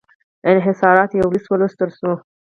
انحصاراتو یو لېست ولوستل شو.